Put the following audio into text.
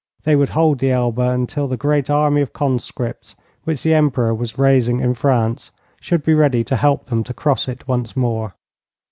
They would hold the Elbe until the great army of conscripts, which the Emperor was raising in France, should be ready to help them to cross it once more.